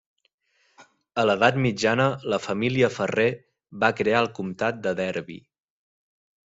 A l'edat mitjana, la família Ferrer va crear el comtat de Derby.